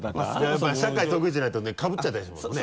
やっぱり社会得意じゃないとねかぶっちゃったりしますもんね。